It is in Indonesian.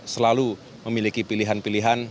selalu memiliki pilihan pilihan